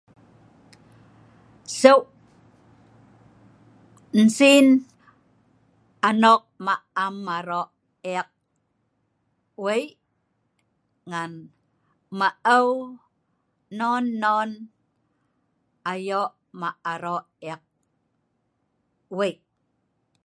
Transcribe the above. Seuk', nsinn anok ma' am aro' e'ek wei', ngan maeu non non ayo ma aro' e'ek wei'